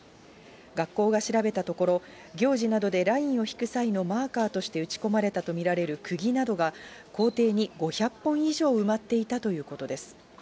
学校が調べたところ、行事などでラインを引く際のマーカーとして打ち込まれたと見られるくぎなどが、校庭に５００本以上埋まっていたということです。